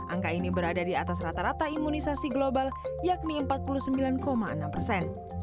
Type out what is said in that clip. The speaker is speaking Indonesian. angka ini berada di atas rata rata imunisasi global yakni empat puluh sembilan enam persen